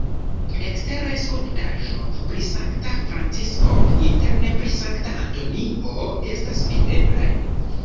Ekstere skulptaĵo pri Sankta Francisko, interne pri Sankta Antonio estas videblaj.